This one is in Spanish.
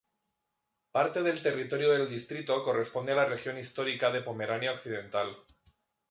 Parte del territorio del distrito corresponde a la región histórica de Pomerania Occidental.